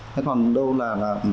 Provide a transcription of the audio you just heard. thế còn đâu là